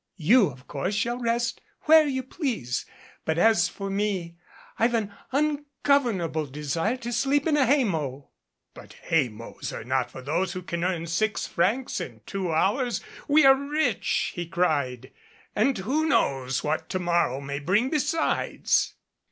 You, of course, shall rest where you please, but as for me I've an ungovernable desire to sleep in a hay mow." "But hay mows are not for those who can earn six francs in two hours. We are rich," he cried, "and who knows what to morrow may bring besides